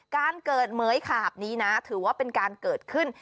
การเกิดเหมือยขาบนี้นะถือว่าเป็นการเกิดขึ้น